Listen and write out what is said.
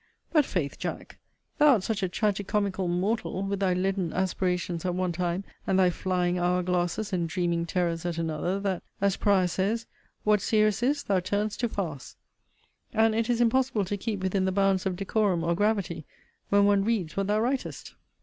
But faith, Jack, thou art such a tragi comical mortal, with thy leaden aspirations at one time, and thy flying hour glasses and dreaming terrors at another, that, as Prior says, What serious is, thou turn'st to farce; and it is impossible to keep within the bounds of decorum or gravity when one reads what thou writest.